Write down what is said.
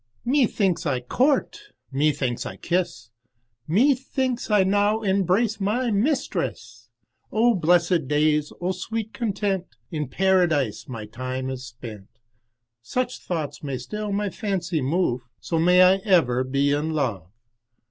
Methinks I court, methinks I kiss, Methinks I now embrace my mistress. O blessed days, O sweet content, In Paradise my time is spent. Such thoughts may still my fancy move, So may I ever be in love.